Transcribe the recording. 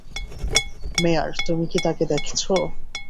মেয়ার, তুমি কি তাকে দেখছো?